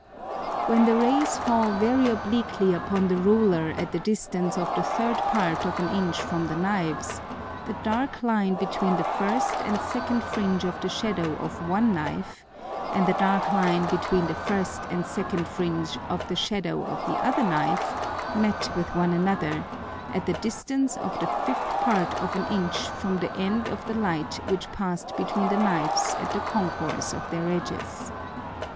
When the Rays fell very obliquely upon the Ruler at the distance of the third Part of an Inch from the Knives, the dark Line between the first and second Fringe of the Shadow of one Knife, and the dark Line between the first and second Fringe of the Shadow of the other knife met with one another, at the distance of the fifth Part of an Inch from the end of the Light which passed between the Knives at the concourse of their edges.